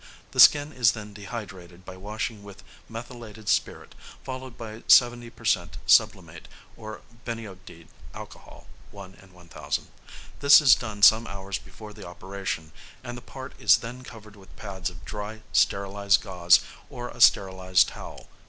The skin is then dehydrated by washing with methylated spirit, followed by 70 per cent. sublimate or biniodide alcohol (1 in 1000). This is done some hours before the operation, and the part is then covered with pads of dry sterilised gauze or a sterilised towel.